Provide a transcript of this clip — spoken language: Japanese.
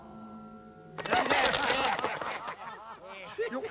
よっ。